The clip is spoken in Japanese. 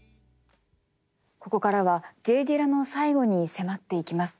ここからはＪ・ディラの最期に迫っていきます。